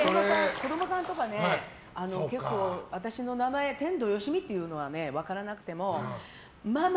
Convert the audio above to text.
子供さんとかね、結構私の名前天童よしみっていうのは分からなくてもママ！